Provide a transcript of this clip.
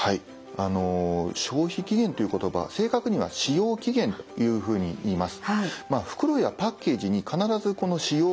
「消費期限」という言葉正確には「使用期限」というふうに言います。